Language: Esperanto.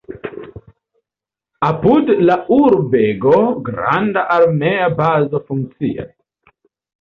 Apud la urbego granda armea bazo funkcias.